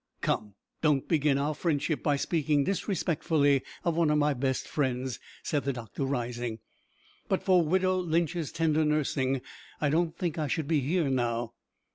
"Come, don't begin our friendship by speaking disrespectfully of one of my best friends," said the doctor, rising; "but for widow Lynch's tender nursing I don't think I should be here now."